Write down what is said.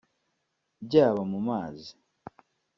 byaba mu mazi